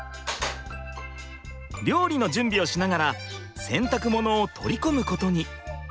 料理の準備をしながら洗濯物を取り込むことに。